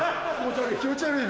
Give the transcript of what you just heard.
気持ち悪い。